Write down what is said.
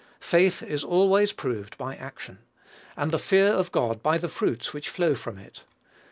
Faith is always proved by action, and the fear of God by the fruits which flow from it.